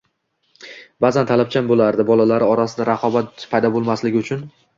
ba'zan talabchan bo'lardi. Bolalari orasida raqobat paydo bo'lmasligi uchun